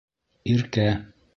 Иркә